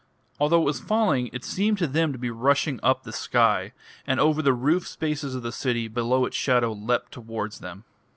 Although it was falling it seemed to them to be rushing up the sky, and over the roof spaces of the city below its shadow leapt towards them.